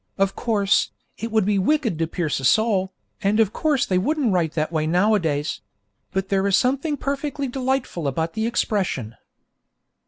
Of course, it would be wicked to pierce a soul, and of course they wouldn't write that way nowadays; but there is something perfectly delightful about the expression.